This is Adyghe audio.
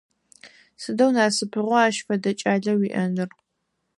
Сыдэу насыпыгъа ащ фэдэ кӏалэ уиӏэныр!